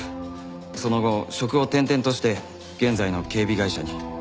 その後職を転々として現在の警備会社に。